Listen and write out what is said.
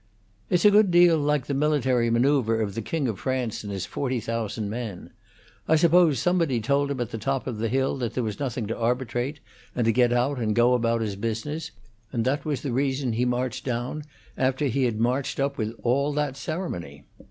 "It's a good deal like the military manoeuvre of the King of France and his forty thousand men. I suppose somebody told him at the top of the hill that there was nothing to arbitrate, and to get out and go about his business, and that was the reason he marched down after he had marched up with all that ceremony.